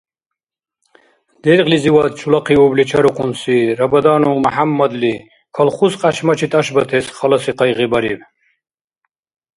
Дергълизивад чулахъиубли чарухъунси Рабаданов Мяхӏяммадли колхоз кьяшмачи тӏашбатес халаси къайгъи бариб.